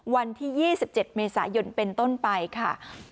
วันที่๒๗เมษายนเป็นต้นไปค่ะ